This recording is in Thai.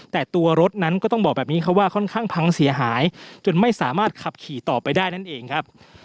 แต่ตัวรถนั้นก็ต้องบอกแบบนี้ค่ะว่าค่อนข้างพังเสียหายจนไม่สามารถขับขี่ต่อไปได้นั่นเองครับ